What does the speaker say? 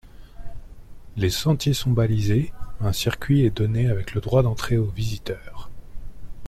Les sentiers sont balisés, un circuit est donné avec le droit d'entrée aux visiteurs.